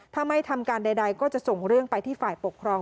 ถ้าไม่ทำการใดก็จะส่งเรื่องไปที่ฝ่ายปกครอง